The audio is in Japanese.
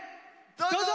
どうぞ！